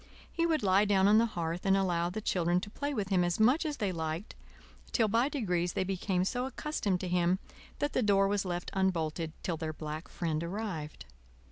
He would lie down on the hearth and allow the children to play with him as much as they liked, till by degrees they became so accustomed to him that the door was left unbolted till their black friend arrived.